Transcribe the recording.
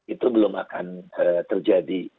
itu belum akan terjadi